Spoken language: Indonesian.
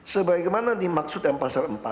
sebagaimana dimaksud yang pasal empat